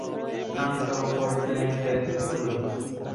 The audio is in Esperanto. Ankaŭ por plenkreskuloj!